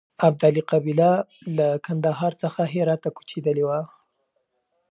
ابدالي قبیله له کندهار څخه هرات ته کوچېدلې وه.